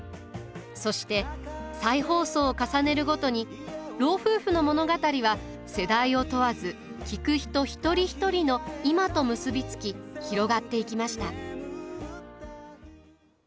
そして再放送を重ねるごとに老夫婦の物語は世代を問わず聴く人一人一人の「いま」と結び付き広がっていきました。